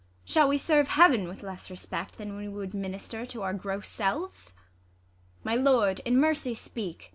Shall we serve Heaven ^Vith less respect, than we would minister To our gross selves ? My lord, in mercy speak